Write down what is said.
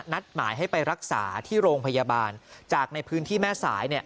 นัดหมายให้ไปรักษาที่โรงพยาบาลจากในพื้นที่แม่สาย